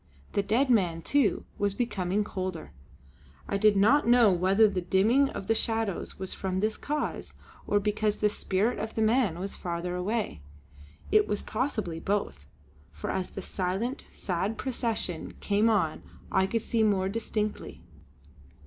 The dead man, too, was becoming colder! I did not know whether the dimming of the shadows was from this cause, or because the spirit of the man was farther away. It was possibly both, for as the silent, sad procession came on I could see more distinctly.